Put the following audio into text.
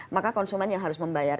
maka konsumen yang harus membayar